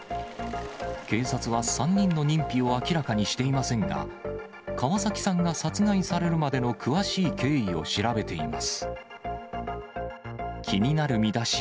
警察は、３人の認否を明らかにしていませんが、川崎さんが殺害されるまでの詳しい経緯を調べています。